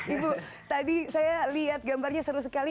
ibu tadi saya lihat gambarnya seru sekali